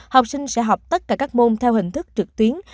học sinh sẽ học tất cả các môn theo hình thức trực tuyến